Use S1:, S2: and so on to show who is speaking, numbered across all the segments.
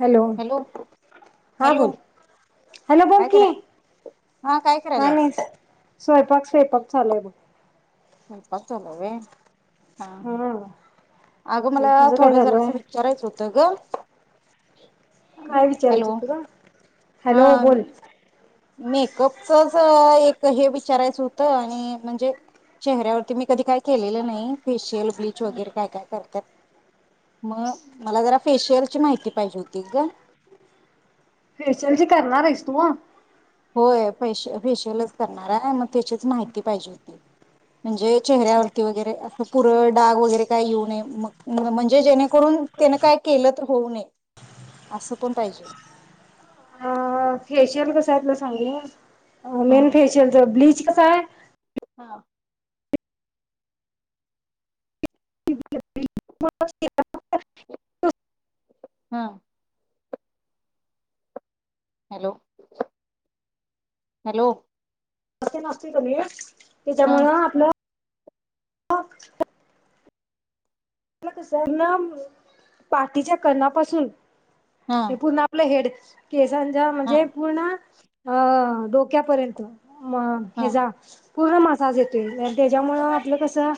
S1: Hello, हा
S2: hello
S1: बोल, hello बोल
S2: काय
S1: की,
S2: करायला? हा
S1: काय
S2: करायल्यास?
S1: नाय स्वयंपाक स्वयंपाक चालू हाय बग
S2: स्वयंपाक चालू आहे व्हय? हा
S1: हा
S2: ह अगं मला
S1: तुझं काय
S2: थोडं जरा
S1: झालं
S2: असं विचारायचं होतं ग. [inaudible]
S1: काय विचारायचं
S2: हॅलो
S1: तुला हॅलो बोल
S2: मेकअप च ‌ कसं एक हे वि विचारायचं होत आणि म्हणजे चेहऱ्यावरती मी कधी काय केलेलं नाही फिश यल ब्लीच वगैरे काय काय करत्यात. मग मला जरा फेशियलची माहिती पाहिजे होती ग.
S1: फेशियलची करणार आहीस तु?
S2: होय पैसे फेशियलच करणार आहे मग त्याचीच माहिती पाहिजे होती. म्हणजे चेहऱ्यावरती वगैरे अ पुरळ डाग वगैरे काय येऊ नये म म्हणजे जेणेकरून त्याने काय केलं तर होऊ नये असं पण पाहिजे.
S1: फेशियल कसं आहे तुला सांगु
S2: हा
S1: मेन फेशियलच ब्लीच कसाय
S2: हा.
S1: [unintelligible]
S2: हम हॅलो हॅलो
S1: असती नास्ती कणी
S2: हा
S1: त्याच्यामुळं आपलं [unintelligible] मला तसर ना पाठीच्या कणापासून
S2: हा
S1: ते पूर्ण आपलं हेड केसांच्या
S2: हा
S1: म्हणजे पूर्ण अ डोक्यापर्यंत. म हे
S2: हा
S1: जा पूर्ण मसाज येतोय आणि त्याच्यामुळ आपलं कसं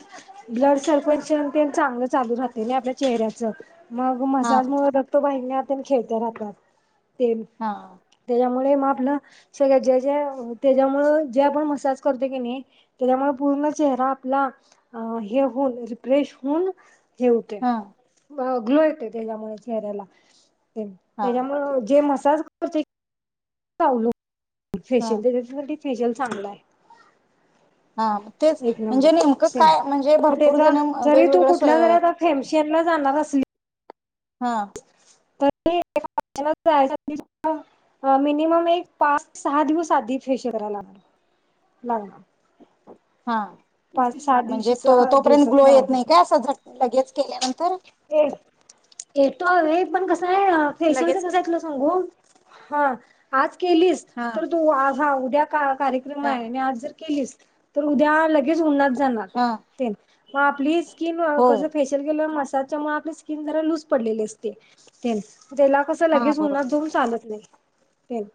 S1: ब्लड सर्क्युलेशन ते चांगलं चालू राहते ना आपल्या चेहऱ्याच मग
S2: हा
S1: मसाज मुळं रक्त वाहिन्यात खेळत्या राहतात. तेन
S2: हा
S1: तेच्या मग आपलं सगळ जे जे त्याच्यामुळे जे आपण मसाज करतो की नाही त्याच्यामुळे पूर्ण चेहरा आपला हे होऊन रिफ्रेश होऊन हे हो ते
S2: हा
S1: ग्लो येतो त्याच्यामुळे चेहऱ्याला
S2: हा
S1: त्याच्यामुळे जे मसाज ते ल
S2: हा
S1: फेशियल स्पेशल चांगला आहे.
S2: हा तेच
S1: एक
S2: म्हणजे
S1: नंबर
S2: नेमकं काय म्हणजे
S1: मग
S2: भरपूर जण वेगवेगळं
S1: शेरला जाणार असली
S2: हा
S1: तरी जायला मिनिमम एक पाच सहा दिवस आधी फेशयल लागणार लागणार
S2: [inaudible] हा
S1: पाच सहा
S2: म्हणजे
S1: दिवशीचा
S2: तोपर्यंत ग्लो
S1: दिवसाचा
S2: येत नाही का
S1: आधीच
S2: अस झट असा लगेच केल्यानंतर
S1: क आहे ना फेशियलच
S2: लगेच
S1: कसं आहे तुला सांगू हा आज केलीस
S2: हा
S1: तर तू आज हा उद्या कार्यक्रम
S2: हा
S1: आहे आणि आज जर केलीस तर उद्या लगे च उन्हात उन्हात जाणार
S2: हा
S1: तेन मग आपली स्किन
S2: होय
S1: कसं फेशिअल केल्यावर मसाज त्यामुळे आपली स्किन जरा लूज पडलेली असते. त्याला कसं
S2: हा
S1: लगेच उन्हात
S2: बरोबर
S1: जाऊन चालत नाही. हम्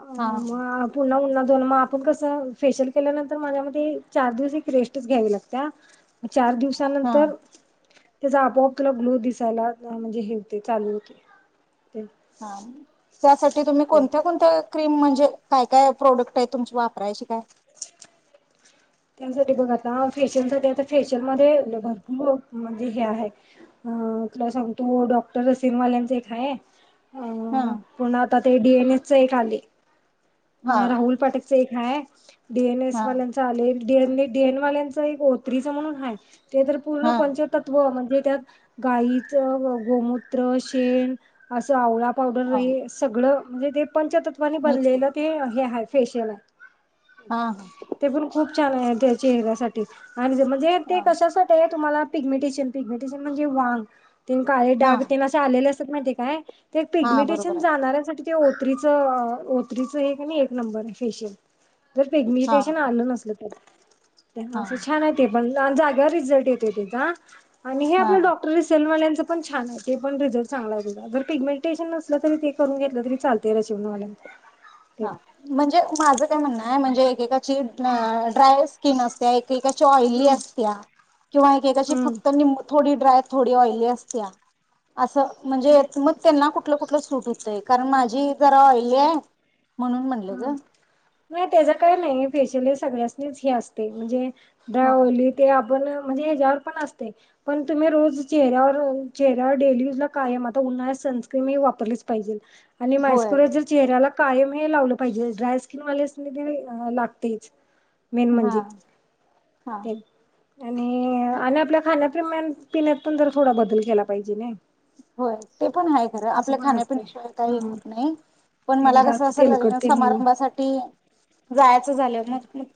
S1: अ
S2: हा
S1: मग पुन्हा उन्हात जावून मग आपली आपण कसं फेशियल केल्यानंतर माझ्या मते चार दिवस एक रेस्टच घ्यावी लागत्या् चार
S2: हा
S1: दिवसानंतर त्याचा आपोआप ग्लो दिसायला म्हणजे हे होते चालू होते.
S2: हा त्यासाठी तुम्ही
S1: ते
S2: कोणत्या कोणत्या क्रीम म्हणजे काय काय प्रोडक्ट आहे तुमची वापरायची काय
S1: त्यासाठी बघ आता फेशियल साठी आता फेशियल मध्ये भरपूर म्हणजे हे आहे तुला सांगतो डॉक्टर रसीमवाल्याचं एक हाय
S2: हा
S1: अ पण आता ते डीएनएस एक आले.
S2: हा
S1: राहुल पाटक च एक हाय डीएनएस
S2: हा
S1: वाल्यांचा आले डे डेएनवाल्यांच, एक ओ थ्री च म्हणून हाय. ते तर पूर्ण
S2: हा
S1: पंच तत्व म्हण ते त्यात गायीच गोमूत्र, शेण अस आवळात पावडर
S2: हा
S1: हे सगळं म्हणजे ते पंचतत् [unintelligible] नी
S2: मिक्स
S1: बनलेल हे हाय फेशियलाय.
S2: हा
S1: ते पण खूप छान आहे. त्यात चेहऱ्यासाठी आणि जे म्हणजे ते
S2: हा
S1: कशासाठी आहेत? तुम्हाला पिग्मेटेशन, पिग्मेटेशन म्हणजे वांग ते न काळे
S2: हा
S1: डाग ते न असे आलेले अस माहिती काय? ते
S2: हा बरोबर
S1: पिग्मीटेशन
S2: आहे
S1: जाणाऱ्यासाठी ते ओत्रीच ओत्रीत एक आणि एक नंबर फेशियल. जर
S2: हा
S1: पिग्मीटेशन आल नसलं तर.
S2: हा
S1: [unintelligible] छान आहे ते. पण लाल जाग्यावर रिझल्ट येतोय त्याचा आणि हे
S2: हा
S1: आपला डॉक्टर रिसेल वालेन ते पण छान आहे ते पण रिझल्ट चांगला आहे त्याचा. जर पिग्मेंटेशन नसलं तरी ते करून घेतलं तरी चालतय [unintelligible] वाल्या
S2: हां. म्हणजे माझं काय म्हणणं आहे. म्हणजे एकेकाची अं ड्राय स्किन अस [unintelligible] एकेकाची ऑइली
S1: हम्म
S2: असत्या किंवा एकेकाची
S1: हम्म
S2: फक्त निं थोडी ड्राय, थोडी ऑइली असत्या. असं म्हणजे मग त्यांना कुठल कुठल सुट हूतय. कारण माझी जरा ऑईली आहे. म्हणून म्हणलं
S1: हं
S2: ग
S1: नाही. त्याचा काही नाही फेशलीस् सगळ्यासनीच हे असतय म्हणजे
S2: हा
S1: दवली ते आपणं म्हणजे ह्याच्यावर पण असतय, पण तुम्ही रोज चेहऱ्यावर चेहऱ्यावर डेली युजला कायम आता उन्हाळ्यात सनस्क्रीम ही वापरलीच पाहिजेल. आणि
S2: होय
S1: मायस्कोरायझर चेहऱ्याला कायम हे लावल जे ड्राय स्किनवाले असलेतरी लागतेच. मेन
S2: हा
S1: म्हणजे
S2: हा
S1: [unintelligible] आणि आणि आपल्या खाण्यात, ते मॅम पिण्यात पण जरा थोडा बदल केला पाहिजे नाय
S2: होय. ते पण हाय खरं. आपलं
S1: असते
S2: खाण्यापिण्याशिवाय काही
S1: हा
S2: होत नाही पण
S1: ते
S2: मला कसं
S1: जास्त
S2: असं
S1: तेलकट
S2: लग्न
S1: तेन हे
S2: समारंभासाठी जायचं- झाल्यावर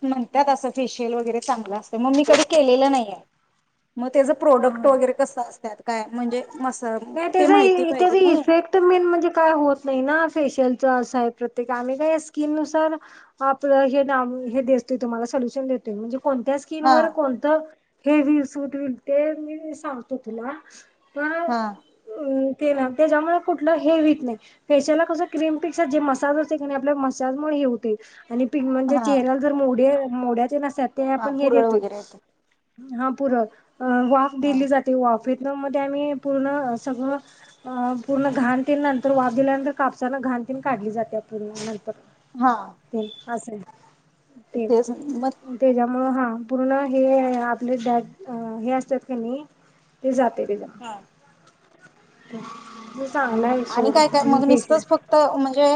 S2: मग त्यात असं फेशियल वगैरे चांगलं असतं मग मी कधी केलेलं नाहीय. मग त्याचं प्रोडक्ट
S1: हा
S2: वगैरे कसं असत्यात? काय म्हणजे मस्त.
S1: नाही त्याचा, त्याचा इफेक्ट मेन म्हणजे काय होत नाही ना फेशियल आमचं असंय. प्रत्येक आम्ही काय स्किननुसार आपलं हे देतोय तुम्हाला सोल्यूशन देतोय म्हणजे कोणत्या
S2: हा
S1: स्किनवर कोणतं ते वि सूट विणते, मी सांगतो तुला.
S2: हा
S1: अं केला. त्याच्यामुळे कुठलं हे होत नाही. फेशियलला कसं क्रीमपेक्षा जे मसाज असते की नाय आपलं, आपल्या मसाजमुळे हे होतंय. आणि पिग म्हणजे
S2: हा
S1: चेहऱ्याला जर मोडेय मोड्याचे नस अच्छा ते
S2: हा
S1: आपण हे
S2: पुरळ
S1: देतोय.
S2: वगैरे असते
S1: हा पुूरळ. अं वाफ
S2: हा
S1: दिली जाते वाफ व्हिएतनाममध्ये आम्ही पूर्ण सगळं अं पूर्ण घाण तेन नंतर वाफ दिल्यानंतर कापसानं घाण तेन काढली जातीया पूर्ण नंत तर असंय.
S2: त्यासाठी मध
S1: म हा पूर्ण हे आपले ॅ हे असतात कीनाही, ते जात तेच तेच दया मग.
S2: हा
S1: [inaudible] आहे
S2: आणि काय काय मग
S1: सोड
S2: निसतंच फक्त म्हणजे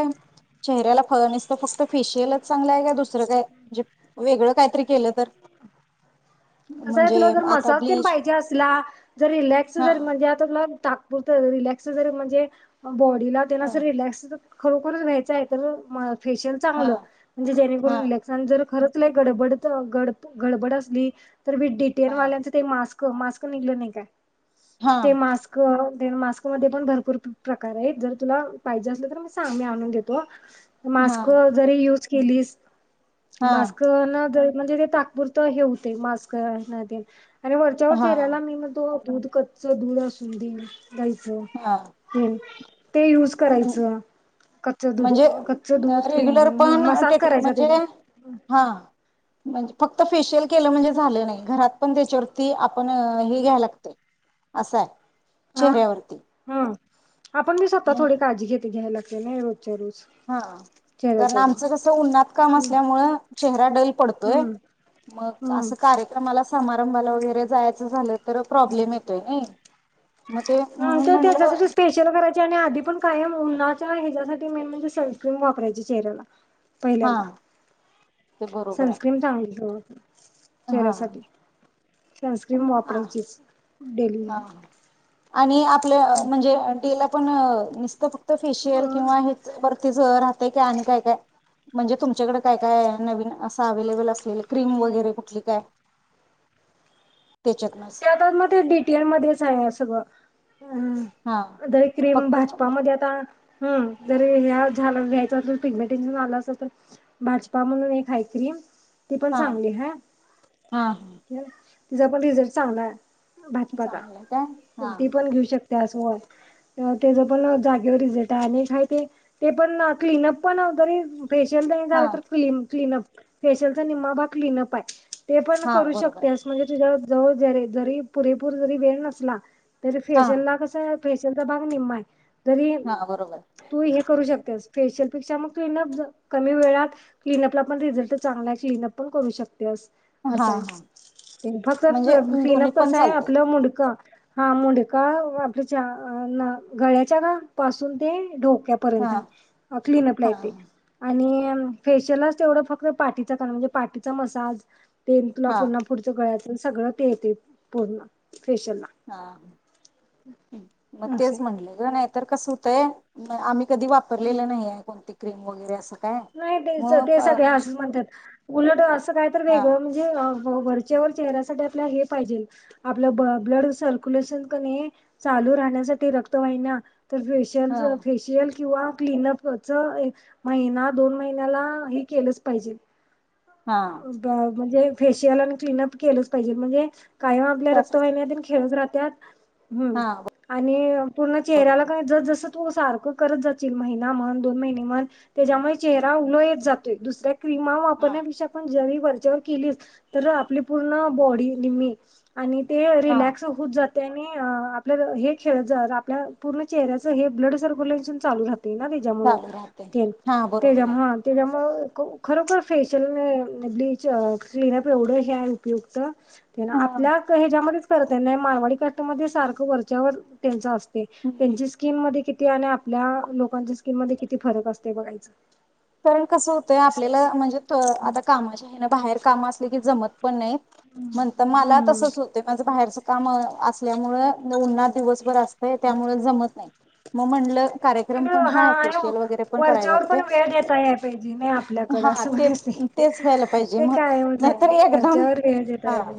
S2: चेहऱ्याला फळ नसतं फक्त फेशियलच चांगलं आहे का, दुसरं काय म्हणजे, वेगळं कायतरी केलं तर.
S1: कसं आहे
S2: म्हणजे
S1: तुला जर
S2: आता
S1: मसाज पण
S2: ब्लीच
S1: पाहिजे असला, जर रिलॅक्स
S2: हा
S1: जर म्हणजे आता तुला - तात्पुरतं रिलॅक्स जरी म्हणजे अं बॉडीला त्यांनं
S2: हा
S1: असं रिलॅक्स खरोखरच घ्यायचं आहे तर म फेशियल
S2: हा
S1: चांगलं म्हणजे जेणे करून
S2: हा
S1: रिल्याक्शन जर खर लई गडबड तर गड गडबड असली तर मी डी टी एन
S2: हा
S1: वाल्यांचं ते मास्क क मास्क निघले नाही काय
S2: हा
S1: ते मास्क मास्क मध्ये पण भरपूर प्रकार आहेत जर तुला पाहिजे असले तर मी सांग मी आणून देतो. मास्क
S2: हा
S1: जरी युज केलीस
S2: हा
S1: मास्क ना द म्हणजे ते तात्पूर्त हे होतंय मास [unintelligible] आणि वरच्यावर चेहऱ्याला
S2: हा
S1: मी म तो दुध कच्च दुध असू दे. [unintelligible] च
S2: हा
S1: हम्म. ते युज करायचं कच्च दूध
S2: म्हणजे
S1: कच्च दूध
S2: रेग्युलर
S1: [unintelligible]
S2: पण
S1: मसाज
S2: टेट
S1: करायचा
S2: म्हणजे
S1: त्याने.
S2: हा म्हणजे फक्त फेशियल केलं म्हणजे झालं नाही घरात पण त्याच्यावरती आपण हे घ्याय लागत अस ये.
S1: हा
S2: चेहऱ्यावरती.
S1: हम्म आपण मी स्वत थोडी काळी घेते घयला जे [unintelligible]
S2: हा कारण आमचं कस उनत काम
S1: हम्म
S2: असल्यामुळे चेहरा डैल पडतोय
S1: हम्म
S2: मग
S1: हम्म
S2: अस कार्यक्रमला समा समारंभाला वगैरे जायचं झालं तर प्रॉब्लेम येतोय नाही. मग ते
S1: हा
S2: म्हणून
S1: तू त्याच्यासाठी
S2: म्हणलं
S1: स्पेशल करायचे आणि आधी पण कायन ऊनात च ह्याच्यासाठी मेन म्हणजे सनस्क्रीम वापरायची चेहऱ्याला.
S2: हा
S1: पहिल्यांदा
S2: ते बरोबर आहे
S1: सनस्क्रीन सागितलो.
S2: हा.
S1: चेहऱ्यासाठी सनस्क्रीम वापरायचीस. डली
S2: हा आणि आप आपल म्हणजे [unintelligible] आपण निस्त फ फेशियल किंवा हेच बर तीज राहतय कि आणि काय काय म्हणजे तुमच्याकडे काय काय नवीन असं अवेलेबल अस क्रीम वैरे कुठली काय. तेचेत नस.
S1: त्या मध्येच आहे सगळं. ह
S2: हा
S1: दर क्रीम
S2: फक्त
S1: भाजपामध्ये आता. हम जर ह झा घ्यायच पिगमे टेनशन आलं अस तर भाजपा म्हणून एक हाय क्रीम ती पण
S2: हा
S1: चांगली हाय..
S2: हा
S1: हिजा पण यू चांगला हाय भाजपाचा
S2: चांगलं काय हा
S1: ती पण घेऊ शकते. त्यासोबत त्याच पण जागेवर रिझल्ट आणि एक आहे ते ते पण क्लीनअप पण जरी फेशियल नाही
S2: हा
S1: झाला तर क्ली क्लीनअप फेशियलचा निम्मा भाग क्लीनअप हाय. ते पण
S2: हा
S1: करू
S2: बरोबर आहे
S1: शकतेस म्हणजे तुझ्या [inaudible] जरी पुरेपूर जरी वेळ नसला तरी
S2: हा
S1: फेशल ला कसं फेशल चा भाग निम्मा हाय. तरी
S2: हा बरोबर आहे
S1: तू हे करू शकतेस फेशियलपेक्षा मग क्लीनअप कमी वेळात क्लीनअपला पण रिझल्ट चांगला आहे. क्लीनअप पण करू शकते अस
S2: हा
S1: असं आहे
S2: हा
S1: ते फक्त
S2: म्हणजे
S1: क्लीन
S2: दोन्ही
S1: अप
S2: पण
S1: कसं आहे
S2: चालतंय
S1: आपलं मुड हा मुंडकाल्याच्या गळ्याच्या पासून ते ढोक क्या
S2: हा
S1: पर्यंत हाय क्लीन अप ला
S2: हा
S1: येतंय आणि फेशियललाच तेवढं फक्त पाठीचा म्हणजे पाठीचा मसाज ते तुला
S2: हा
S1: पुन्हा पुढचं करायचं सगळं ते येतय पूर्ण ते
S2: हा मग
S1: असं आहे
S2: तेच म्हटल ग नाहीतर कस हो ते आम कधी वापरलेलं नाही आहे कोणती क्रीम वगैरे असं काय
S1: नाही तेच
S2: मग
S1: ते
S2: प-
S1: सगळे
S2: म्हणजे
S1: असं म्हणतात उलट असं काय तर
S2: हा
S1: वेगळं म्हणजे वरच्यावर चेहऱ्यासाठी आपल्या हे पाहिजे आपलं ब्लड सर्क्युलेशन कनी चालू राहण्यासाठी रक्तवाहिन्या तर फेशियल
S2: हा
S1: फेशियल किंवा क्लीनअपच एक महिना दोन महिन्याला हे केलंच पाहिजे.
S2: हा
S1: ब म्हणजे फेशियल आणि क्लिनअप केलंच पाहिजे म्हणजे कायम आपल्या
S2: त्यासाठी
S1: रक्तवाहिन्या तन खेळत राहत त्यात हम्म
S2: हा
S1: आणि पूर्ण चेहऱ्याला
S2: बरोबर
S1: काय जस जसत तू सारख करत जाशील महिना म्हण दोन महिने म्हण त्याच्यामुळे चेहरा उलत जातोय दुसऱ्या क्रीमा
S2: हा
S1: वापरण्या पेक्षा [unintelligible] वरच्यावर केली तर आपली पूर्ण बॉडी निम्मी आणि ते
S2: हा
S1: रिलॅक्स होऊत जात त्यानी अ आपल्याला हे खेळ जात आपल्या पूर्ण चेहऱ्याचं हे ब्लड सर्क्युलेशन चालू राहत ना त्याच्या मूळ
S2: चालू राहते
S1: त्या
S2: हा बरोबर
S1: त्याच्या मूळ
S2: आहे
S1: हा त्याच्यामुळ ख खरोखर फेशियल ब्लीच [unintelligible] आपल्या
S2: हा
S1: ह्याच्यामध्ये खर त्यांना मारवाडी कस्टमर मध्ये सारखं वरच्यावर त्यांच असत त्यांची स्किनमध्ये त्या आणि आपल्या लोकांच्या स्किन मध्ये किती फरक असतेय बघायच
S2: कारण कसं होतंय आपल्याला म्हणजे त्यो आता कामाच्या बाहेर काम असल की जमत [unintelligible] नाही म्हणते मला
S1: हम्म
S2: तसच होत माझं बाहेरच काम असल्यामुळे उन्हात दिवसभर त्यामुळे जमत नाही. मी म्हणलं. कार्यक्रम पण हाय फेशियल वगैरे
S1: [unintelligible]
S2: पण करायला
S1: वरच्यावर पण
S2: होते.
S1: वेळ देत [unintelligible] पाहिजे ना आपल्याकड
S2: हा
S1: असं
S2: ते तेच
S1: म्हणायचं
S2: व्हायला पाहिजे
S1: ते
S2: मग
S1: काय [unintelligible]
S2: नाहीतर एकदम
S1: वरच्यावर
S2: हा
S1: वेळेतय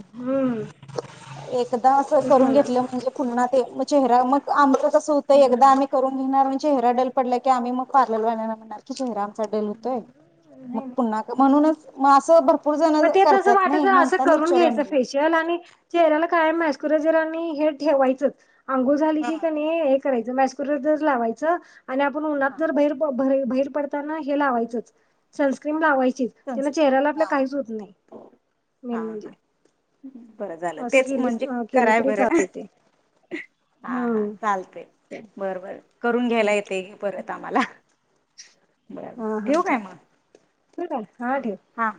S2: एकदा असं करून घेतलं म्हणजे पुन्हा
S1: [unintelligible]
S2: ते मग चेहरा मग आ कस होतय एकदा आम्ही करून घेणार चेहरा डल पडला की आम्ही मग पारल [unintelligible] कि चेहरा डल होतय मग
S1: नाही
S2: पुन्हा का म्हणूनच मास
S1: मग ते तसं वाटाचं असं करून घ्यायचं
S2: म्हटलं.
S1: फेशियल आणि चेहराला कायम मसकोरायझर हे ठेवायचंच अंघोळ झाली
S2: हा
S1: की क नाय करायच मास्कुराय्जर लावायच आणि आपण उनात
S2: हा
S1: जर भेर बाहेर पडताना हे लावायचं होत सनस्क्रीम लावायची चे तिने चेहऱ्याला
S2: संस्कृत
S1: आपल्या
S2: हा
S1: काहीच होत नाही मेन म्हणजे
S2: हा बरं झालं
S1: असं
S2: तेच
S1: केली
S2: म्हणजे
S1: केलं
S2: कराया
S1: तरी
S2: बरं
S1: चालते
S2: हा हा
S1: हम्म
S2: चालतेय
S1: ते
S2: बरोबर करून घ्यायला
S1: चालते
S2: येते परत आम्हाला [unintelligible] बरोबर ठेव काय मग
S1: ठेऊ का आहे हा ठेव
S2: हा